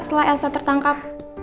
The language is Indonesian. setelah elsa tertangkap